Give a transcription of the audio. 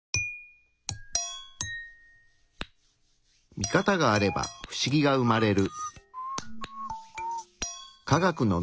ミカタがあればフシギが生まれる。